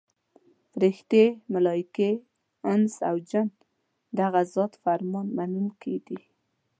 فرښتې، ملایکې، انس او جن د هغه ذات فرمان منونکي دي.